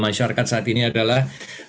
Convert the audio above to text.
masyarakat saat ini adalah